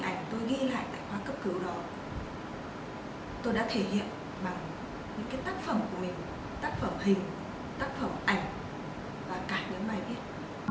tác phẩm hình tác phẩm ảnh và cả những bài viết